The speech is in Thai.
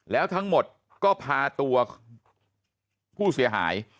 แล้วทั้งหมดก็พาตัวผู้เสียหาย